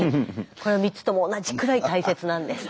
この３つとも同じくらい大切なんですと。